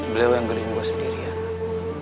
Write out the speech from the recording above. beliau yang gede gue sendirian